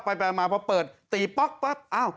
ไปมาพอเปิดตีฮ่า